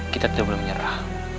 kita tidak boleh menyerah